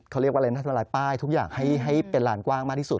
เขาเรียกว่าเลนัสทำลายป้ายทุกอย่างให้เป็นลานกว้างมากที่สุด